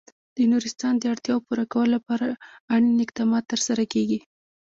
د نورستان د اړتیاوو پوره کولو لپاره اړین اقدامات ترسره کېږي.